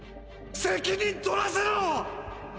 責任とらせろ！